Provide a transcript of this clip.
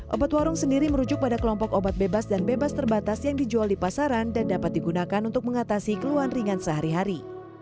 obat warung sendiri merujuk pada kelompok obat bebas dan bebas terbatas yang dijual di pasaran dan dapat digunakan untuk mengatasi keluhan ringan sehari hari